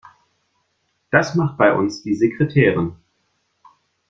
Das macht bei uns die Sekretärin.